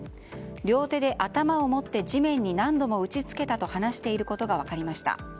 両手で頭を持って地面に何度も打ち付けたと話していることが分かりました。